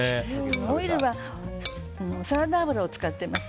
オイルはサラダ油を使っています。